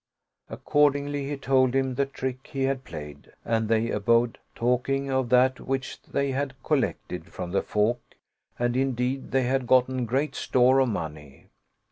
" Accordingly he told him the trick he had played and they abode talking of that which they had collected from the folk, and indeed they had 182 The Duel of the Two Sharpers gotten great store of money.